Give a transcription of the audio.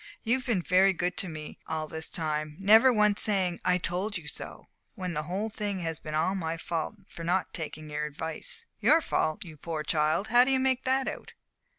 "You've been very good to me all this time never once saying 'I told you so,' when the whole thing has been all my fault for not taking your advice." "Your fault, you poor child! How do you make that out?"